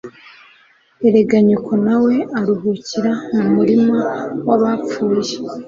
erega nyoko nawe aruhukira mu murima w'abapfuye